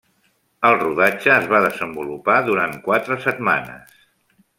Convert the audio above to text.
El rodatge es va desenvolupar durant quatre setmanes.